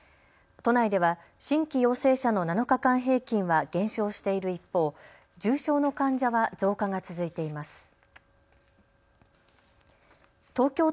都内では新規陽性者の７日間平均は減少している一方、重症の患者は増加が続いています。